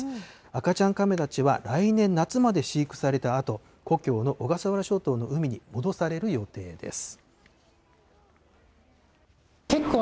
赤ちゃんカメたちは、来年夏まで飼育されたあと、故郷の小笠原諸島の海に戻される予定です。